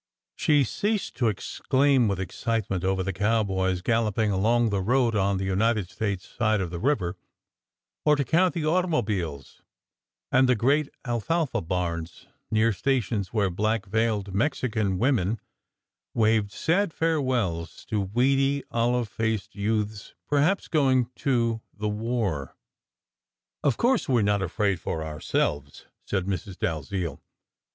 She ceased to exclaim with excitement over the cowboys galloping along the road on the United States side of the river, or to count the automobiles and the great alfalfa barns near small sta tions where black veiled Mexican women waved sad fare 92 SECRET HISTORY wells to weedy, olive faced youths, perhaps going to the "war." "Of course, we re not afraid for ourselves" said Mrs. Dalziel.